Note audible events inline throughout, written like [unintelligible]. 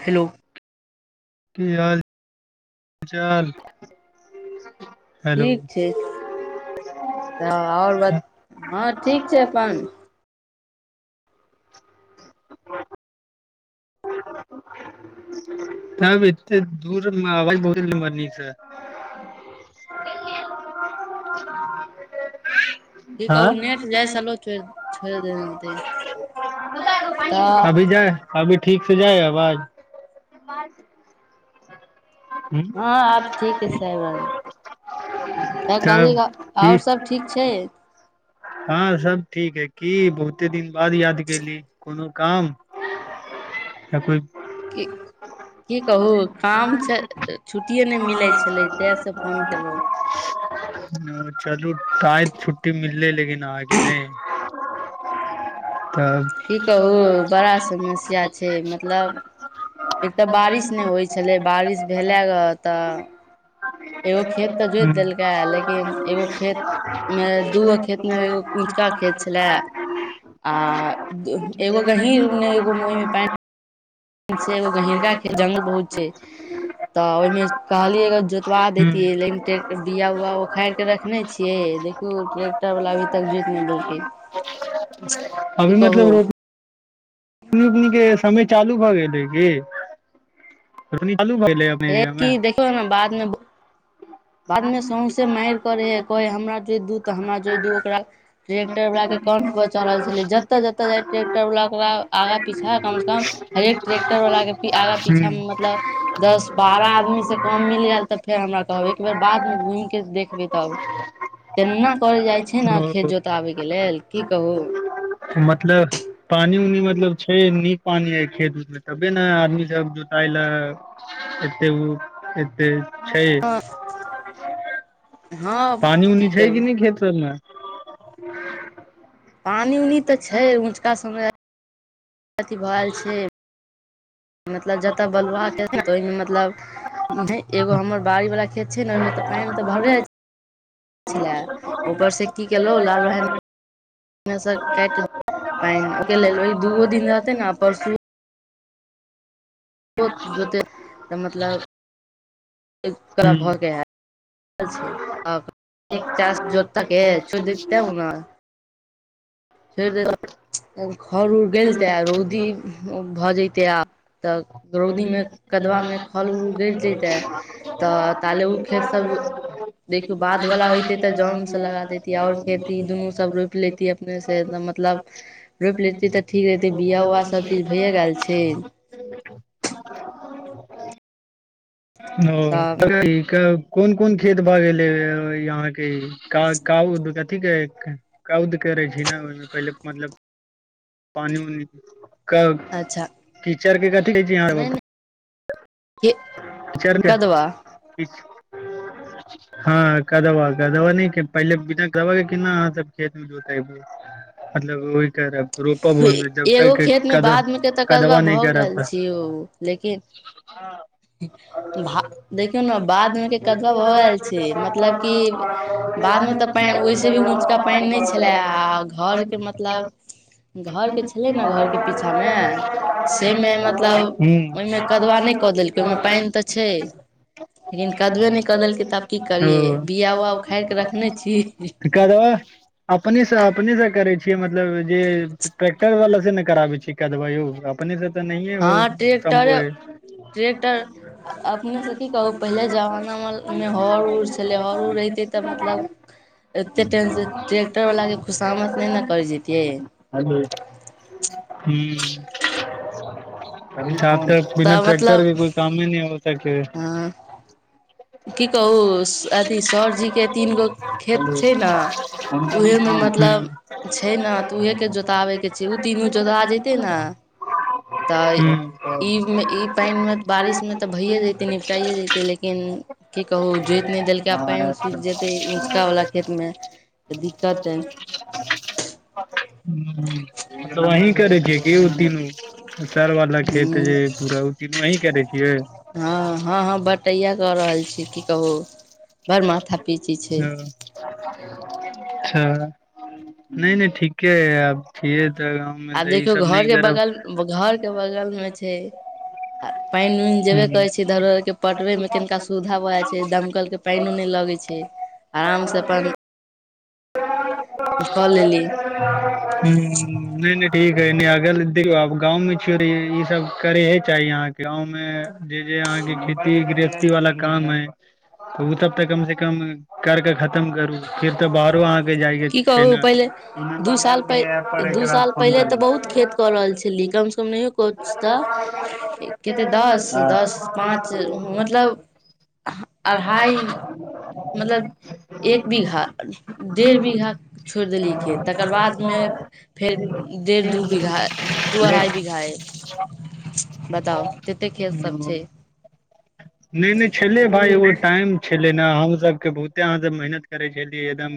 Hello. की हाल हाल चाल। हेलो ठीक छै तऽ आओर ब हँ ठीक छै अपन। [inaudible] तब एते दूर आवाज बहुत मनी छै। कि कहू हँ नेट जाइल छोड़ि देत। अभी जाए अभी ठीक से जाए आवाज। हूँ हँ हँ आब ठीक सँ ऐब रहल यऽ तऽ कहली तब की आओर सब ठीक छै। हँ सब ठीक है की बहुते दिन बाद याद कयली कोनो काम। [unintelligible] कि की कहू काम छै छुट्टिए नहि मिलै छलै तैहि से फोन कयलहुँ। चलू टााय छुट्टी मिललै लेकिन आगे नहि। तऽ की कहू बड़ा समस्या छै मतलब। एक तऽ बारिश नय होइ छलै बारिश भेलै ग तऽ एगो खेत तऽ जोति हूँ देलकै लेकिन एगो खेत मे दूगो खेत अपना एगो उऊचका खेत छलै आ एगो गहीरने एगोहि में पे [inaudible] [inaudible] [inaudible] खेत जंगल बहुत छै तऽ ओहिमे कहलियै ग जोतवा देैतियै लेकिन ट्रैक्टर बिया उआ उखाड़ि के रखने छियै देखियौ ट्रैक्टर वाला अभी तक जोइत नहि देलकै अभी की मतलब कहू रोप [inaudible] उ के समय चालू भए गेलेै की चालू भए हे की देखियौ ने बाद मे [inaudible] [inaudible] बादमे सौँसे माइर करै हइ कहै हइ हमरा जोइ दू तऽ हमरा जोइ दू हम्म ओकरा ट्रेकक्टर वालला के काणट परर चढ़ल छलै जतऽ जतऽ जाइ ट्रैेक्टर वालला ओकरा आगाँ पीछा कमसँ कम हरेक ट्रेक्टर वालला के आगा पीछा मे मतलब दस बारह आदमी से कम मिल गेलयल तऽ फेर हमरा कहबे एकबर बाधमे घुमिके देखबै तब केना करल जाइत छै ने ओ खेत जोताबैके लेल की कहू मतलब पानी उनी मतलब छै नीक पानी हय खेत उत मे तबे ने आदमी सब जोताय लए एतेक एते छय हँ [inaudible] पानी हँ की उनी छै करू क नहि खेत सबमे [inaudible] पानी उनी ते छै ऊंचका समय अथी भऽ छै मतलब जतऽ बलुआके ओहिमे मतलब एगो हमर बाड़ी वाला खेत छै ने ओहिमे तऽ पाइन तऽ भरले छलए ऊपर से की केलहुँ लाल भाय काइट पाइन ओहि लेल ओहि दूओो दिन रहते ने परसू। जोत जोते मतलब भऽके हइ [unintelligible] फेर [inaudible] उर गेलते आ रौदी भऽ जते आ तऽ रौदी मे कदवा मे खल उल गड़ जते तऽ ताले ओ खेत सब देखियो बाध वाला होते ते जन से लगा देतीे और खेत ई दुनू सब रोप लेती अपने स सेद मतलब रोइप लेतै तऽ ठीक रहहितै बिआ उआ सबचीज भइए गेल छै [inaudible] [inaudible] ओ तऽ कोन कोन खेत भ गेले यहाँ के क कहू त कथी क कौद करै छै ने ओहि पहिले मतलब पानी उ अच्छा कीचड़ के कथि कहै छीह नहि नहि के किचर कदवा हँ कदवा कदवा नय पहिले बिना गदबा के किना अहाँ सब खेत मे जोतए बे मतलब ओ करब रोपब कौन मे जब एगो तक खेत मे क बाद मे के तऽ कदवा नहि भऽ कर गेल त [inaudible] छै भ देखियौ ने बाध मे के कदुआ भऽ गेल छै मतलब क बाध मे तऽ पाइन ओहिस भी ऊँचका पाइन नय छलय आ घरके मतलब घर के छले ने घर के पीछा मे सेमे मतलब हूं ओहिमे कदवा नहि कऽ देलकै ओहिमे पानि तऽ छै। लेकिन कदबे नहि कऽ देलकै तऽ आब की करियै ओ बीया उआ उखाड़ि कऽ रखने छी। कदबा अपनेसँ अपनेसँ करै मतलब जे ट्रक्टर वाला से ने कराबे छी कदबा यो। अपननी स तऽ नहि हो बो। ट्रैेक्टर अपनेसँ की कहू पहिले जमानामेमे हर उर छलै हर उर रहितै तऽ मतलब एतेक टेंशन ट्रैक्टर वला के खुशामथ नहि ने करि जैतै। हलो ह अभी सा तऽ बिना तऽ ट्रैक्टर मतलब के कोइ काम ही नहि हो सके हँ [inaudible] की कहू अथी सर जीके तीन गो खेत छै ने तऽ उहेमे मतलब छै ने तऽ उहेके जोताबय के छै ओ तीनू जोता जतै ने तऽ ईमे ई पानि मेऽ बारिश मे तऽ भैए जैतै निपटाइए जैतै लेकिन की कहु जोइत नहि देलकै आब पानि सुखि जेतै उचकावला खेत मे तऽ दिक्कत अइ। त अही करै छै के उ तीनू सर वाला खेत हूँ जे पूरा उ अही करे छियै हँ हँ हँ बटइय करें छी की कहू बड़ माथा पिची छै। ओ अच्छा नहि नहि ठीकेै आब खेत त आ देखियौ घर के बगल घर के बगल मे छै आ पानि उानि जेबे करै छै धरो धर के पटबे मे कननका सुविधा भऽ जाइ छै दमकल के पानो नहि लगै छै आराम से अपन हु कऽ लेली नहि नहि ठीक है अगल देखऔ आब गाँंव मे छ ई सब करे हे चाही यहाके गाँंव मे जे जे अहाँके खेती गृहस् वा काम है त ओ तब तऽ कम से कम करके खतम करू फिर तऽ बाहर बहारो जई के की छै कहू न पहिले दू साल पहि दू साल पहिले तऽ बहुत खेत कऽ रहल छलियै कमसँ कम नहियो किछु तऽ कतेक दस दस पाँच मतलब [unintelligible] अढ़ाइ [unintelligible] [unintelligible] मतलब एक बीघा डेढ़ बीघा छोड़ि देलियै तकर बादमे फेर डेढ़ दू बीघा दू अढ़ाइ बीघा ह। खेतसभ छै ओ नहि नहि छले भााय एगो टाइम छले ने हम सबके बहुते अहाँ मेहनत करै छल एकदम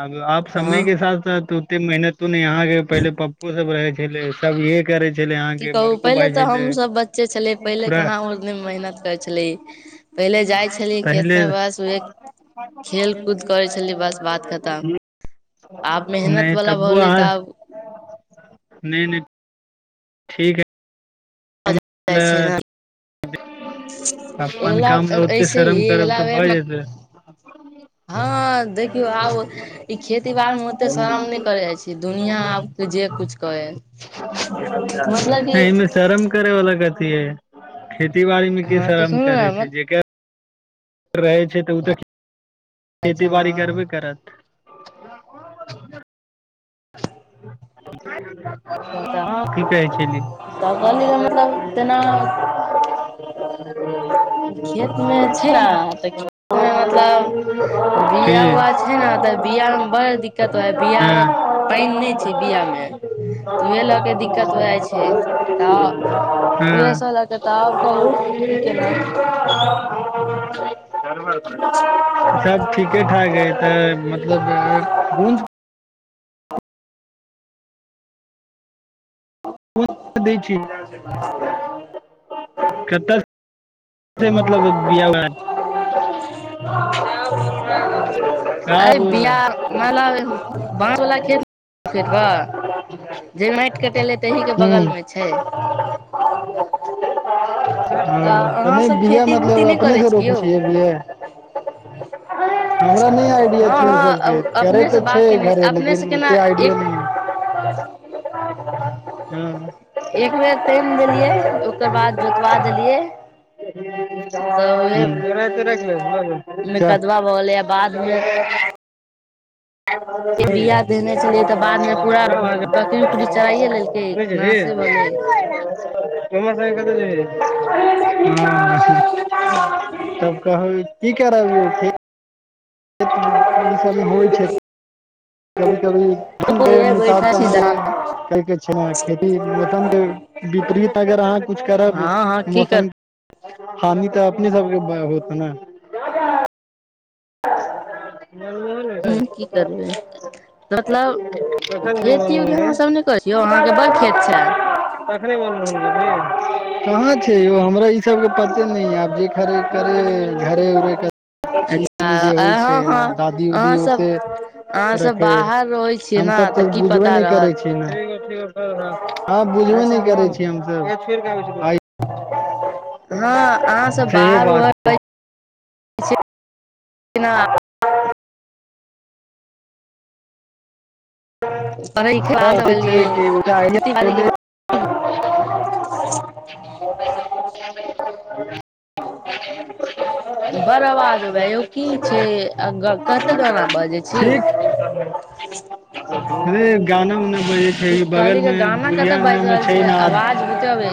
अब आ समय हँ के साथ साथ ओते मेहनत ने यहा के पहिले पप्पो सब रहे छले सब इहे करे छली अहा की के कहू बड़को पहिले भाई तऽ हमसभ बच्चे छलियै छलाई पहिले पूरा कहाँ ओतने मेहनत करै छलियै पहिले जाइ छलियै पलहै खेतमे बस उहे खेल कूद करै छलियै बस बात खतम आब [unintelligible] नय मेहनत वाला भऽ तबु गेलै अहा तऽ नहि नहि। ठीक है आब जाइ छै ने [unintelligible] अपन अगिला काम ले ओते ऐसे शरम भी करब अगिला तऽ बेर भऽ मे जेतै। [inaudible] हँ देखियौ आब ई खेती बाड़ी मे ओते शरम नय करे जाइ छी दुनियां आब। से जे कुछ कहै मतलब कि। एहिमे शरम करै वाला कथी हय खेती बाड़ी मे के हँ तऽ शरम सुनू करै ने छै जेकर। रहै छै तऽ उ तऽ खेती अच्छा बाड़ी हँ करबे करत। [inaudible] अच्छा तऽ की कहै छली हँ तऽ कहलिय मतलब तेना। [inaudible] खेतमे छै तऽ खेतमे मतलब। की बिया उआ छै ने तऽ बियामे बड़ दिक्कत भय बिया। हँ पानि नय छै बियामे। तऽ उहे लऽके दिक्कत हो जाइ छै तऽ उहे हँ सब ल। तब तऽ आओर कहू की केना। सब ठीके ठाक हइ तऽ मतलब गूंद। दै छी कतऽ। मतलब बिआ। [inaudible] अय बिआ मतलब बाँस वाला खेत। [inaudible] जे माटि कटेलै तहिके हूँ बगलमे छै। तऽ हँ अहाँ। नहि बिया खेती मतलब उती नय अपने करै से छी रोपै यौ। छियै बिया हमरा नय आइडिया छै ओ सबके करै अपने से तऽ बाग छै केने घरे अपने लेकिन से केना ओते आइडिया एक नय। हुँ एक बेर तामि देलियै ओकर बाद जोतवा देलियै। तऽ उहे [inaudible] मे हुँ। कदवा भऽ गेलै आ बादमे [inaudible] [inaudible] नय बिया देने छलियै तऽ बादमे पूरा बकरी उकरी चराइये लेलकै जेबहि। नासे आओर भऽ सब तब कह। की करब गेल छै होइ छै। कभी कभी बे गेलै मिताब बैठल तऽ छी दलानमे अहाँके कैके छै खेती मौसम के वितरीत अगर अहाँ कुछ करब हँ हँ की कर मौसम। हानि तऽ अपने सबके ब होत न। हँ की करबै। मतलब तखन नहि खेती मालूम उती भेलै अहाँ सब नय करै छी यौ अहाँके बड़ खेत छेल। [unintelligible] कहाँ छै यौ हमरा ई सब के पते नय ये आब जेे करे घरे उरे के अच्छा जे होइ छै। हँ हँ दादी उदी अहाँ ओते सब अहाँ सब रखे बाहर रहै छियै ने हमसब तऽ की बुझबे पता नय करै रहत छी ने। हँ बुझबे नय अच्छा हँ करै छी हमसब आइ। हँ अहाँ सब आइ सेहे बाहर बात उहर जेना। पढ़ै क्लास हँ [unintelligible] छै गेलियै कि। खेती बाड़ी [inaudible] के बड़ आवाज होबै यौ की छै कतऽ गाना बजै [unintelligible] छी यौ ठीक। [unintelligible] अे गाना उना ब छै की बगल कहली मे बुढ़िया उगना मे छै ने आज। बझबै।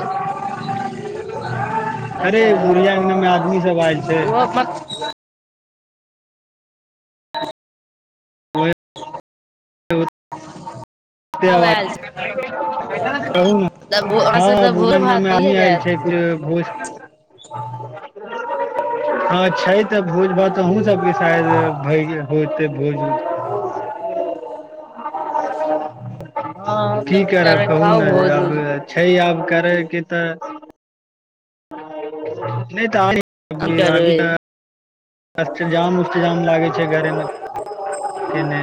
अरे उरियामे आ। [unintelligible] ओहे [unintelligible] आयल छै तब [unintelligible] अहाँ सबके तऽ भोज भात भइए जायत [unintelligible] [unintelligible] हँ छै तऽ भोज भात अहूँ सबके शायद भ होतै भोज उज। [unintelligible] हँ तऽ की [unintelligible] करबै कहू खाउ नऽ भोज अब उज छै आब करैके तऽ। नहि तऽ आभ की अभी करबै तऽ। अष्टजाम उष्टजाम लागै छै घरेमेने।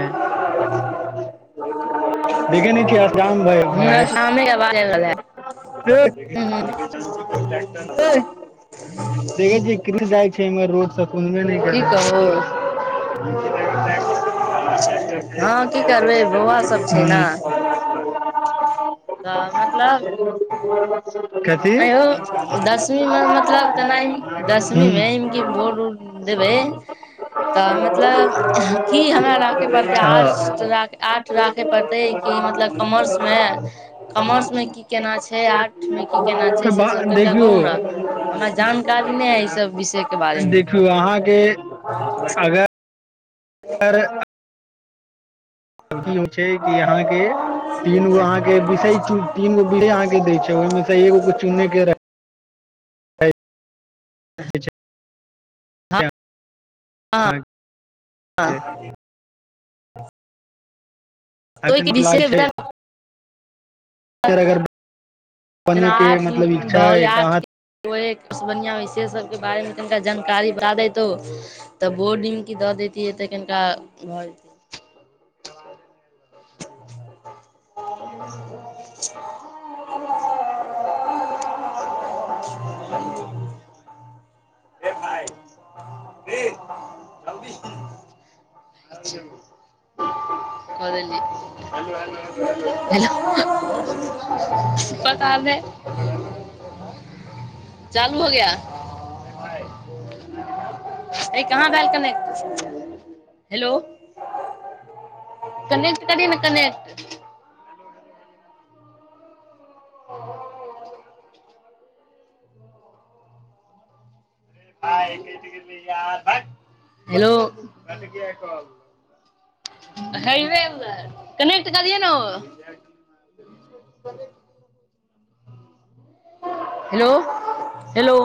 हमरा शामे के आवाज आबि रहल हँ [unintelligible] [unintelligible] देखै छियै क जाय छै रोड कोन। की कहू छै हँ की करबै बौआ सभ छै हुँ ने। तऽ मतलब। कथी अयौ दसवी मे मतलब तना दसवी मे हुँ कि बोर्ड उर्। देबे तऽ मतलब की हमरा राखे पड़तै आर्टस हँ आर्ट। राखै पड़तै कि मतलब कॉमर्समे कॉमर्समे की केना छै आर्ट। की केना छै तऽ से बा सब कनिका देखियौ कहू नऽ हमरा जानकारी नहि है ई सब विषय के बारे मे। कहाँके अगर। आर। की होइ छै कि अहाँके तीन गो अहके बिष तीन गो बिष अहके दै छै ओहिमे। एगोछ चुने के रहै। छै हँ आहाँ हँ के अगर नीक लागै [unintelligible] अगर [unintelligible] मतलब इच्छा हइ तऽ अहाँ। कोे बढ़िआँ होइ से सभके बारेमे तनिका जानकारी बता देतौ। तऽ बो निडमकी दऽ दैतियै तऽ कनिका घर। [unintelligible] [unintelligible] [unintelligible] [unintelligible] [unintelligible] चालू हो गया ई कहाँ भेल कवेक्ट हेलो कनेक्ट करि ने कनेक्ट [unintelligible] [unintelligible] हेलो हैरे मे कनेक्ट कलियै न हो [unintelligible] हेलो हेलो।